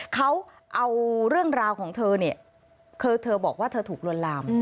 เขาเอาเรื่องราวของเธอคือเธอบอกว่าเธอถูกรวรรม